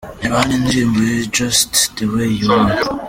Reba hano indirimbo ye ’Just the way you are’:.